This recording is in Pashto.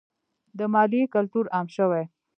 د مالیې کلتور عام شوی؟